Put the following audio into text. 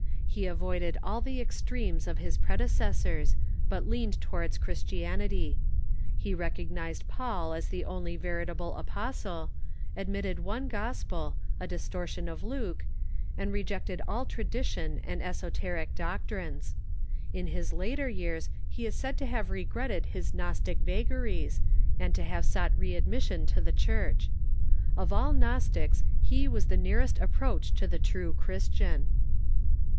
He avoided all the extremes of his predeces sors, but leaned towards Christianity. He recognized Paul as the only veritable apostle, admitted one Gospel, a distortion of Luke, and rejected all tradition and esoteric doctrines. In his later years be is said to have regretted his Gnostic vagaries, and to have sought readmission to the Church. Of all Gnos tics he was the nearest approach to the true Christian.